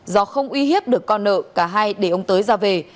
do không uy hiếp được con nợ cả hai để ông tới ra về